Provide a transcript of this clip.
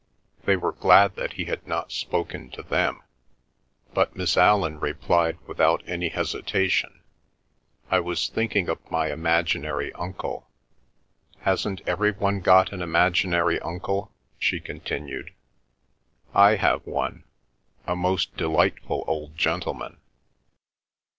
They were glad that he had not spoken to them. But Miss Allan replied without any hesitation, "I was thinking of my imaginary uncle. Hasn't every one got an imaginary uncle?" she continued. "I have one—a most delightful old gentleman.